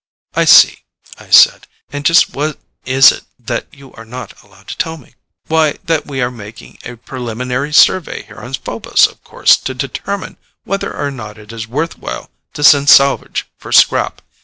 "I see," I said, "and just what is it that you are not allowed to tell me?" "Why, that we are making a preliminary survey here on Phobos, of course, to determine whether or not it is worthwhile to send salvage for scrap.